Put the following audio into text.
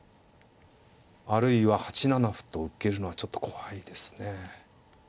あるいは８七歩と受けるのはちょっと怖いですね。